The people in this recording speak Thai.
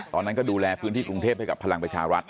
ตอนนั้นก็ดูแลพื้นที่กรุงเทพให้กับพลังประชารัฐ